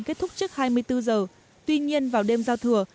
kết thúc trước hai mươi bốn giờ tuy nhiên vào đêm giao thừa